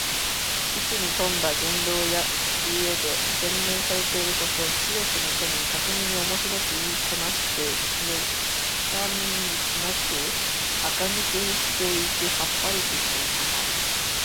機知に富んだ言動や知恵で、洗練されていること。知力に富み、巧みにおもしろく言いこなして、俗気がなくあかぬけしていてさっぱりとしているさま。